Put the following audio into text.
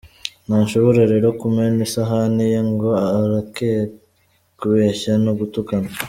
Ntashobora rero kumena isahani ye ngo areke kubeshya no gutukana.